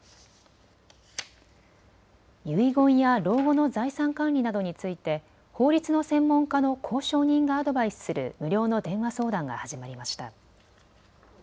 遺言や老後の財産管理などについて法律の専門家の公証人がアドバイスする無料の電話相談が始まりました。